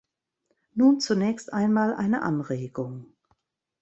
Nun zunächst einmal eine Anregung.